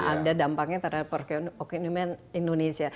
ada dampaknya terhadap perekonomian indonesia